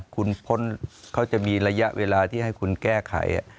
คุณพ้นเขาจะมีระยะเวลาที่ให้คุณแก้ไข